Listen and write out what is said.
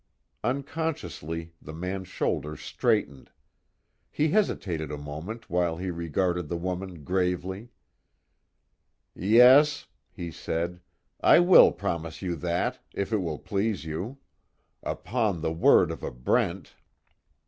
Unconsciously the man's shoulders straightened: He hesitated a moment while he regarded the woman gravely: "Yes," he said, "I will promise you that, if it will please you, 'Upon the word of a Brent.'"